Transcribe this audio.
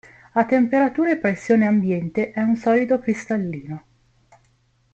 A temperatura e pressione ambiente è un solido cristallino.